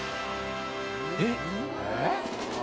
えっ？